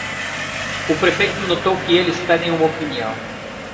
O prefeito notou que eles pedem uma opinião.